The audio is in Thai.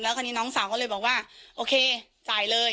คราวนี้น้องสาวก็เลยบอกว่าโอเคจ่ายเลย